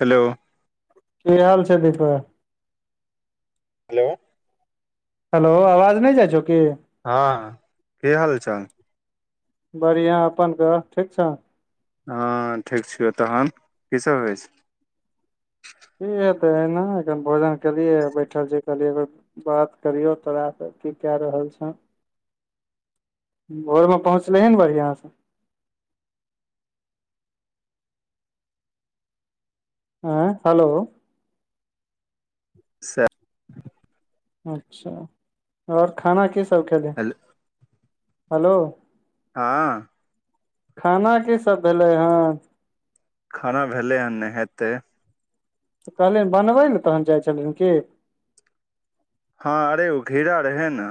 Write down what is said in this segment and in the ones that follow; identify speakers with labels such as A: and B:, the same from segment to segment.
A: Hello.
B: की हाल छै दीपा।
A: हेलो।
B: हेलो आवाज नइ जाइ छौ की
A: हँ की हाल चाल
B: बड़ियाँ अपन कह ठीक छ
A: हँ ठीक छियौ तहन की सभ होइ छै।
B: की हेतै एहिना एखैन भोजन केलियै बैठल छी कहलिय बात करियौ तोरा स की कए रहल छ भोर में पहुँचली बढ़िआ सँ आइ हेलो
A: [unintelligible]
B: अच्छा और खाना की सब खेली
A: हेल-
B: [inaudible] हेलो।
A: हँ
B: खाना की सब भेलै हन।
A: खाना भेलै हन नै हेते।
B: कहलियन बनबै लऽ तहन जाइ छल ही हिन की
A: हँ अरे ओ घिरा रहै न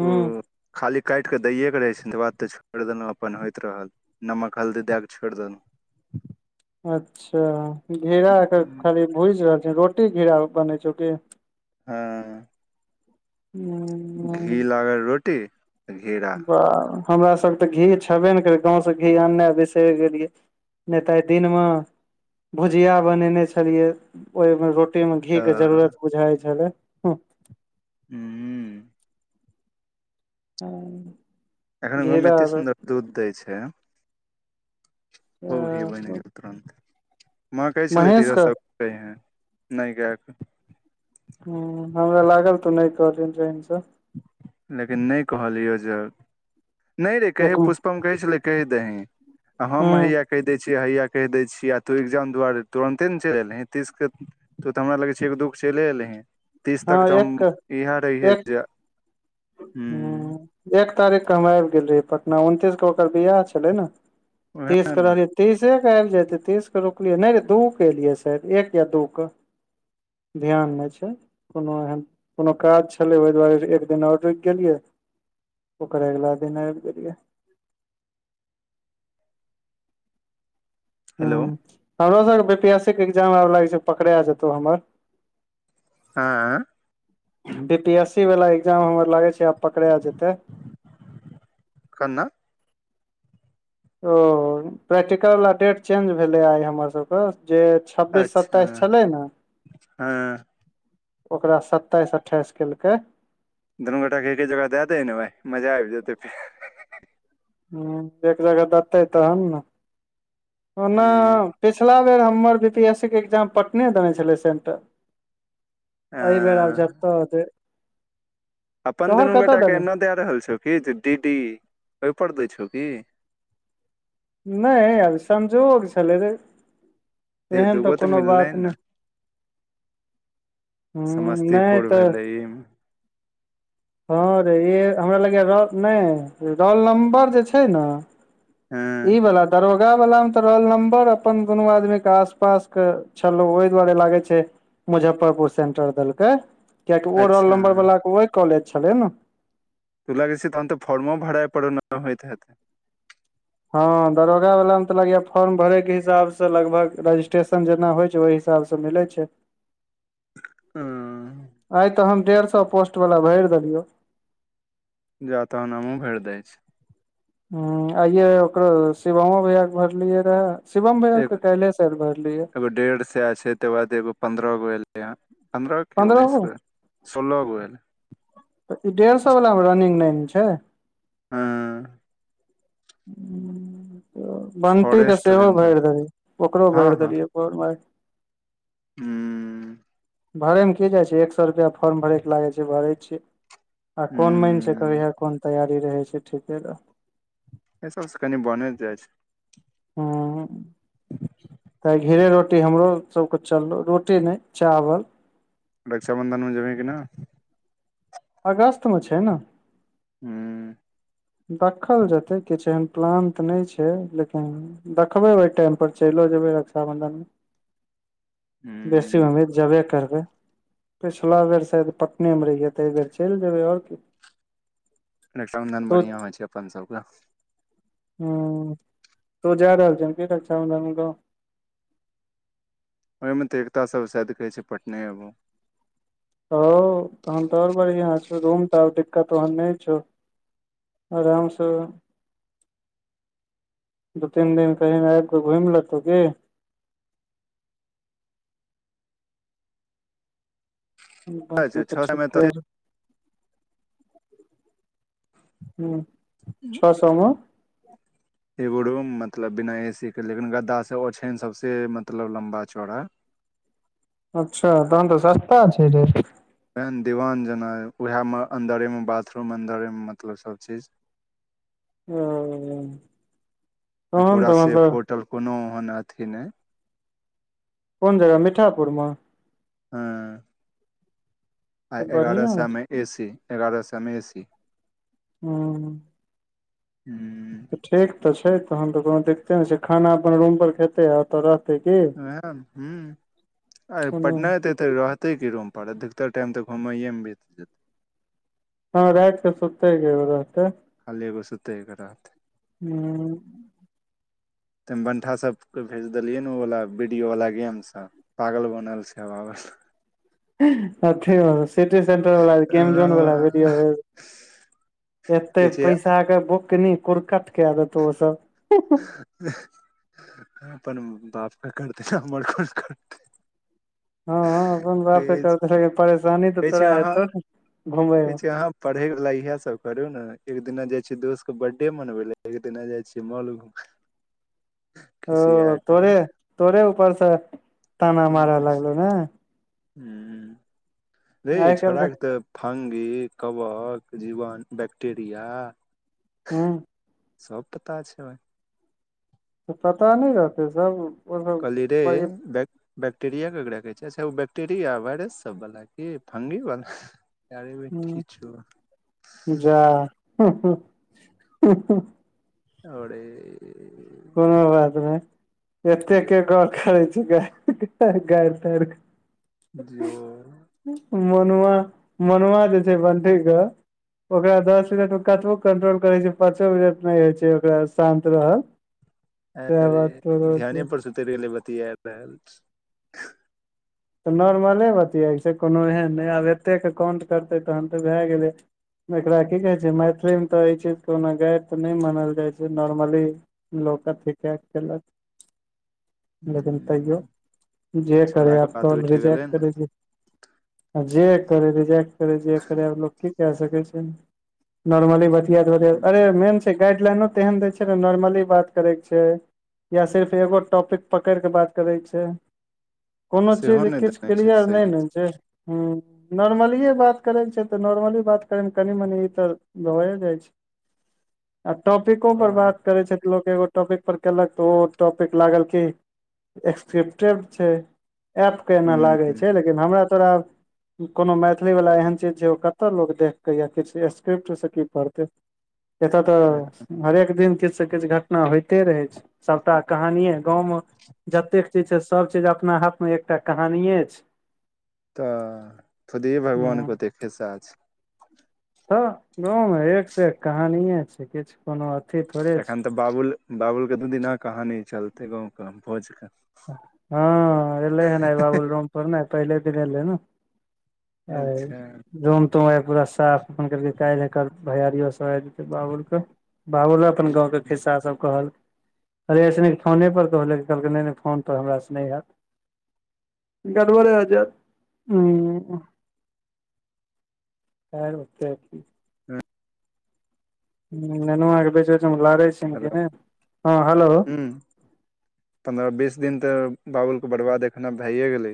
B: हू
A: खाली काइट कऽ दैए कऽ रहै छै तै बाद तऽ छोड़ देलो अपन होइत रहल नमक हल्दी दै कऽ छोड़ दैनु
B: अच्छा घिरा
A: देलहुँ
B: खाली भुज रहल छै रोटी घिरा बनै छै कि
A: हँ
B: [unintelligible]
A: घी लागल रोटी घेरा
B: बाह हमरा सब तऽ घी छेबे नै करै गाँव स घी अननाइ बिसैर गेलियै नै तऽ आ दिन म [inaudible] भुजिया बनेने छलियै ओइ म रोटी रोटी में घी कऽ
A: तऽ
B: जरूरत बुझाय छलै
A: [unintelligible]
B: [unintelligible]
A: एखन गाँव में
B: घेरा
A: एते
B: आर
A: सुंदर दूध देय छै [inaudible] खुब घी बैन गेल तुरन्त [inaudible] माँ कहै छलै
B: महेश
A: धीरज
B: के
A: सब [unintelligible] नै गय कऽ
B: हु हमरा लागल तू नै कहली जाइन स
A: लेकिन नै कहलियौ जे [inaudible] नै रे कहे
B: एक ह
A: पुष्पम कहै छलै कैह दहीं [inaudible] हम हया
B: हँ
A: कहि दै छियै हैया कहि दै छिय आ तू एग्जाम दुआरे तुरन्ते न चैल ऐलही तीस कऽ तू तऽ हमरा लगै छै एक दू कऽ चैल ऐलही तीस तक तऽ हम
B: एक
A: इएह रहिये
B: [unintelligible] एक तारीख कऽ हम आइब गेल रहिय पटना उनतीस कऽ ओकर बियाह छले न [inaudible] तीस
A: वएह
B: कऽ
A: ने
B: रहलै तीसे कऽ आइब जेतै तीस कऽ रुकलियै नै रे दू कऽ एलियै साइद एक या दू कऽ ध्यान नै छै कोनो एहन कोनो काज छलै ओइ दुआरे एक दिन और रुकि गेलियै ओकर अगिला दिन आइब गेलियै हु
A: हेलो
B: हमरो सब कऽ बी पी एस सी कऽ एग्जाम आब लागै छै पकड़ा जेतौ हमर
A: [unintelligible]
B: बी पी एस सी वाला एग्जाम हमर लागे छै आब पकड़ा जेते
A: कऽ ना
B: ओ प्रैक्टिकल वला डेट चेंज भेलै आइ हमर सभ कऽ जे छब्बीस
A: अच्छा
B: सताइस छलै न [inaudible]
A: हँ
B: ओकरा सत्ताइस अट्ठाइस केलकै
A: दुनू गोटाे के एके जगह दए देै ने भाय मजा आबि जेतै फेर
B: ह एक जगह देतै तहन ने ओना
A: हूं
B: पिछला बेर हमर बी पी एस ए्जाम पटने देने छलै सेंटर एहि बेर आब
A: अं
B: जेते दै
A: अपन दुनू गोटा के
B: देने
A: एन्ना दए रहल छौ कि जे डी डी ओहिपर दै छौ कि
B: नय संजोक छलले रे,
A: हे
B: एहन तऽ
A: दूगो
B: कोनो
A: मिललै
B: बात
A: ने
B: नय हु नै
A: समस्तीपुर
B: तऽ
A: भेलै ई
B: हँ रे ई हमरा लगय र नय रोल नम्बर जे छै ने
A: हँ
B: ईवला दरो दरोगा वला मे तऽ रोल नम्बर अपन दुनू आदमी के आस पास क छलो ओहि दुआरे लागे छै मुजफ्फरपुर सेन्टर देलकै कियकि ओ रोल
A: अच्छा
B: नम्बर बलाके ओहि कॉलेज छलै ने
A: तू लागै छै तहन तऽ फर्मो भाड़ा पड़ न होइत हेतै
B: हँ दरोगा वाला मे तऽ लगय फॉर्म भरे के हिसाब से लगभग रजिस्ट्रेशन जेना होइ छै ओहि हिसाब सँ मिलै छै
A: ह
B: आइ तऽ हम डेढ़ शो पोस्ट बला भरि देलियौ
A: जा तहन हामु भैर दै छैय
B: ह आइे ओकरो शिवमो भैयाक भरलियै रहे शिवम भैया
A: एगो
B: के काल्हि सायद भरलियै
A: एगो डेढ़ से आ छै त बाद एगो पंन्द्रह गो एलै ह पंन्द्रह की उन्नैस
B: पन्द्रहो
A: गो सोल्ह गो एल
B: तऽ ई डेढ़ सए वला मे रनिंग नै न छै
A: हँ।
B: बन्टी के
A: फॉरेस्ट
B: सेहो
A: रेंजर
B: भरि देलियै ओकरो
A: हँ
B: भरि देलियै भोर म आई
A: हु
B: भरे मे की जाइ छै एक सए रुपआ फोर्म भरे के लागे छै भरै छीियै आ कोन मानन छै
A: हूँ
B: कहिया कोन तैयारी रहै छै ठीके लऽ
A: ए सब से कनि बन जाइ छै
B: हम्म तऽ घिरा रोटी हमरो सबके चललौ रोटी नय चावल
A: रक्षाबन्धन मे जेबै कि न
B: अगस्त मे छै न
A: हू।
B: देखल जेतै किछु एहन प्लान तऽ नय छै लेकिन देखबै ओहि टाइम परर चलिो जेयबै रक्षााबंधन मे बेसी
A: हूँ
B: उम्मीद जेबे करबै पिछला बेर शायद पटने मे रहि य तऽ एहि बेर चलि जेबै आओर कि
A: रक्षाबंधन बढ़िआँ होइ छै अपन सबके
B: ह तो जा रहल छ हम कह रहल [unintelligible] गव।
A: ओहिमे तऽ एकताास सभ शायद कहैत छै पटने अबू
B: ह तहन तो ओर बढ़ छौ रूम त दिक्कतन नय छौ, आरामसँ दू तीन दिन कही आब कऽ घुमि लेतौ की ब तऽ
A: छओ सए मे
B: ठीके
A: तऽ
B: रह ह छओ सएमे
A: एगो रूम मतलब बिना ए सी के लेकिन गद्दा से ओछन सबसे मतलब लम्बा चौड़ा
B: अच्छा तहन तऽ सस्ता छै रेट
A: एहन दीवान जेना ओएह मे अन्दरेमे बाथरूम अन्दरेमे मतलब सब चीज,
B: ह।
A: पूरा सेफ होटल कोनो ओहन अथी नहि
B: कोन जगह मीठापुर मे,
A: हँ। आ
B: त
A: एगारह
B: बढ़िया हूं
A: सए मे ए सी एगारह सए मे ए सी
B: हू।
A: हू
B: ठीक तऽ छै तहन तऽ कोनो दिक्ते नहि छै खाना अपन रूम पर खेते आ की
A: ह ह अरे
B: कोनो
A: पटनात तऽ रहतै कि रूम पड़त अधिकतर टाइम तऽ घुमयएमे बीत जेतै
B: हँ राइतकसुतेेलै रहतै
A: खालि एगोसुतै ले रहतै
B: हू
A: त बंठा सब के भेज देलियै ने ओ वालला वीडियो वाला गेम सब पागल बनल छै पागल
B: अथे ब सिटी सेंटर वाल गेम जोन वालडियो
A: कहै
B: एते
A: छै
B: पैसा के कनी कुर कट क कैदेतौओतय
A: अपन बापके करतै हमर कि करतै
B: हँ ह अपन बापे करत
A: कहै
B: लेकिन परेशानी तऽ
A: छै
B: तोरा
A: अहाँ
B: हेतौ ने
A: कहै
B: घुमैमे
A: छै अहाँ पढ़े वाला इएहे सब करे ने एक दिना जाये दोस्त के बर्थडे मनवे ले एक दिना जाय छीे मॉल ह
B: ओ तोरे तोरे ऊपर से ताना मारय लगलो ने
A: ह अ
B: आइ काल्हि
A: छोड़ाफके तऽ फगी कबक जीवन बैक्टेरिया
B: हँ
A: सप पता छै
B: तऽ पता नहि रहतै सब ओ सब
A: कलीरे
B: बड़े
A: बक बैक्टेरिया केकरा कहै छै अच्छा ओ बै्टेरिया वायरस सब बाला क फगी वलाा अरैबेबेटि
B: हूँ
A: चोद
B: जा
A: आओरे
B: कोनो बात नहि एत के गप करै छी गारि तार क
A: दिओ
B: मनुआ जे छै बन्ठीक क ओकरा दस मिनट में कतबो कंट्रोल करे छै पाँचो मिनट नहि होय छै ओकरा शान्त रहल सएह बात
A: अरे
B: तोरो
A: ध्यान
B: छै
A: पर सुतरि गेले बति आ रहल
B: तऽ नॉर्मले बतियाय छै कोनो एहन नहि आब एतेकके काउंट करतै तखन तऽ भए गेलै एकरा की कहै छै मैथिलीमे तऽ ई चीज कोनो गायर तऽ नहि मानल जाइ छै नॉर्मली लोक [unintelligible] लेकिन तैयो
A: हूँ
B: [inaudible] जे करे
A: छौड़ा के
B: अब
A: बात उठि गेलै ने
B: [inaudible] आब जे करै रिजेक्ट करै जे करै आब लोक केँ सकै छै [inaudible] नॉर्मल बतियाइत बतियाइत अरे
A: हम्म,
B: मेन छै गाइड लाइनो तेहन दै छै नॉर्मली बात करै कऽ छै या सिर्फ एगो टॉपिक पकैड़क बात करै छै [inaudible] कोनो
A: सेहो नहि देने छै
B: [unintelligible] नै
A: सही
B: न जे हु नॉर्मलि बात करैके छै तऽ नॉर्मली बात करै म तऽ कनि मनि ई तऽ भए जाइ छै [inaudible] आ टॉपिको पर
A: तऽ
B: बात करै छै तऽ लोक एगो टॉपिक पर केलक तऽ ओ टॉपिक लागल की एक्क्रिप्टेड छै ऐप कऽ एना लागै
A: हूँ
B: छै लेकिन हमरा तोरा आब कोनो मैथिली वला एहन चीज जे ओ कतय लोक देख कऽ या किछ स्क्रिप्टसँ की पढ़तै एत तऽ हरेक दिन किछ स किछ घटना होइते रहै छै सबटा कहानियए गाँव में जतेक चीज छै सब चीज अपना हाथ में एकटा कहानिये छै
A: तऽ खुद ही भगवान
B: ह
A: कऽ ओते खिस्सा छै
B: तऽ गाँव म एक से एक कहानिये छै किछ कोनो अथी थोड़े छै
A: एखन तऽ बाबुल बाबुल केँ दू दिना कहानी चलते गाँव कऽ भोज कऽ
B: हँ एलै हन आए बाबुल रूम पर नै पहिले दिन एयलै न आय
A: अच्छा
B: रूम तूम पूरा साफ अखन कहलकै काइल एकर भैयारियो सब आब जेतै बाबुल कऽ बाबुल अपन गाँव कऽ खिस्सा सभ कहल [inaudible] अरे अय स नीक फोने पर कह ले कहलकै नै नै फ फोन पर हमरा स नै हैत गड़बड़े जैत [unintelligible] [unintelligible]
A: [unintelligible]
B: ननुआ कें बेच बेच म लारै छै
A: [unintelligible] पंन्द्रह बीस दिन तऽ बाबुल कऽ बड़बाद अखन आब भैए गेले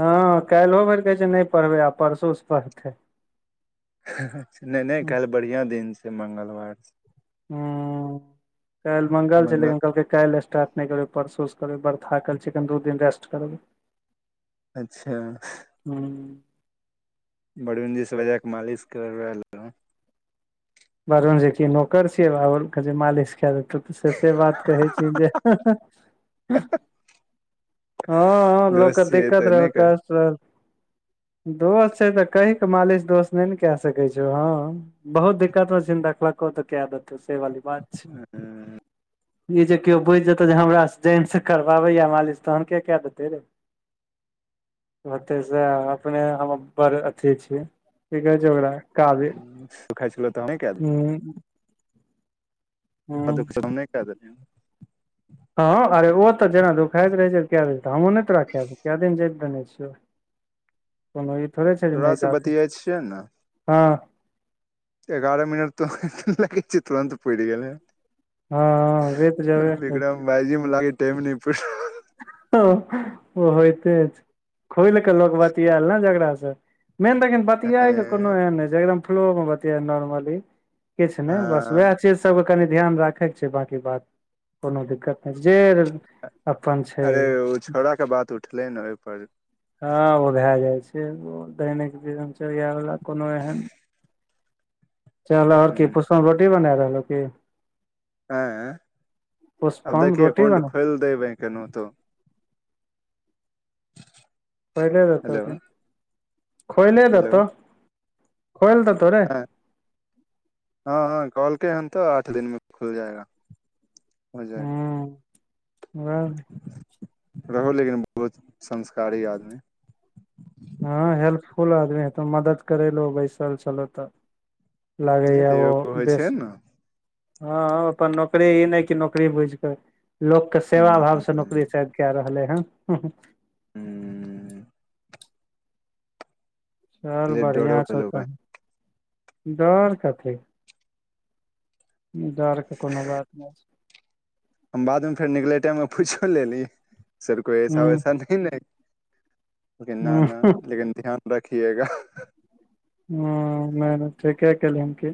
B: हँ काइलो भैर कहै छै नै पढ़बै आ परसो स पढ़तै
A: [unintelligible] नै नै काइल बढ़िआँ दिन छै मगंलवार छै
B: हु [inaudible] काइल मंगल छै लेकिन कहलकै काइल स्टार्ट नै करबै परसू स करबै बर थाकल छी एखन दू दिन रेस्ट करबै
A: अच्छ
B: [unintelligible]
A: बरूनजी स बजा कऽ मालिश करबै लियो
B: बरूनजी कि नौकर छियै बाबूल कऽ मालिश कै देतो से से बात कहै छी जे [unintelligible] हऽ हऽ लोक कऽ
A: दोस्त छियै तऽ
B: दिक्कत रहल
A: नहि कर
B: कष्ट रहल दोस छै तऽ कहि कऽ मालिश दोस नै न कै सकै छौ हऽ बहुत दिक्कत कऽ तऽ छिहिन देखलको तऽ कै दतौ से वाली बात
A: [unintelligible]
B: [inaudible] ई जे केओ बुझि जेतौ जे हमरा जाइनस करवाबै यऽ मालिश तहन केँ कै देतै रे ओतै से अपने हम बड़ अथी छी कि कहै छै ओकरा
A: [unintelligible]
B: हु
A: [unintelligible]
B: हँ अरे ओ तऽ जेना दुखायत रहै छै कए बैर तऽ हमहुँ नहि तोरा जैंत दै छियौ कै दिन जैंत दै छियै कोनो ई थोड़े छै जे
A: तोरा
B: नै
A: से
B: जात
A: बतियाइ छियै ने
B: हँ
A: एगारह मिनट तऽ लगै छै तुरत पैड़ि गेले
B: हँ वोत जबै
A: विक्रम भाईजी मे लागे टाइम न पर
B: त ओ होते अछ खोल केऽ लोक बतियाल ने जकड़ास से मेन देख बतिया के कोनो एन फ्लो मे बतियाय निर्मली किछ ने बस
A: हँ
B: से सबके कनि ध्यान राखेके छै बकी बात कोनो दिक्कत नय जे अपन छै
A: अरे ओ छौड़ा के बात उठलै ने ओहिप
B: हँ ओ भए जाइ छै दैनिक नचर्यवला कोनो एहन चल और की पसन
A: हूँ
B: पुष्पा बॉडी बना रहलौ की
A: हँ आब
B: पुष्पम
A: देख की
B: रोटी
A: एकाउंट
B: बना
A: खोल देबैं केनथो
B: खोले देतौ
A: हेलो
B: कि खोयले
A: हेलो
B: देतौ खोइल देतौ रे
A: हँ हँ कलके हन तऽ आठ दिन मे खुल जाएगा होजाए
B: हूँ वैह
A: [unintelligible] रहो लेकिन बहुत संस्कारी आदमी
B: हँ हेल्पफुल आदमी हेतो मदद करैेलहो बैसल छलहो तऽ
A: नहि
B: लागैएा
A: तऽ
B: ओ
A: एगो होइ
B: बेस
A: छै ने
B: हँ अपन नौकरी ई नय कि नौकरी बुझिके लोकके सेवा भाव से न [unintelligible] कए रहले है
A: हूँ
B: चल
A: पहिले डरो
B: बढ़िआं छ
A: भेलौ
B: त
A: भाय
B: डर कथी डरके कोनो बात नय छै
A: हम बाद में फेर निकले टाइम मे पुछो लेली सर कोइ ऐसा
B: हूँ
A: वैसा नै [unintelligible] न
B: हूँ
A: न लेकिन ध्यान रखिएगा
B: ह नै ने ठीके केलियन की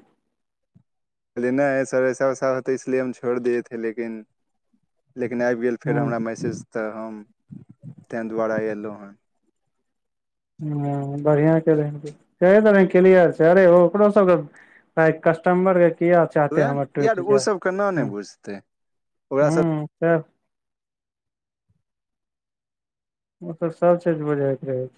A: कहले नय सर ऐसा वसा हो त इसलि हम छोड़ दएथे लेकिन लेकिन आबि गेल फेर
B: हूँ
A: हमरा मैसेज तऽ हम तैहि दुआरे एलहुँ ह
B: ह बढ़िआ केले केलियर से अरे ओकरो सब कस्टमर है किया चाहते
A: उएह
B: हमर
A: यार
B: टुटि जाय
A: ओसभके न ने
B: ह
A: बुझतै ओकरा
B: हु त ओ तऽ सबचीज बुझैके रहै छै